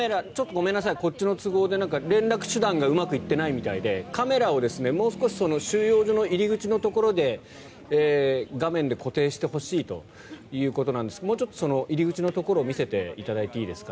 こっちの都合で連絡手段がうまくいっていないみたいでカメラをもう少し収容所の入り口のところで画面で固定してほしいということなんですがもうちょっと入り口のところを見せてもらっていいですか？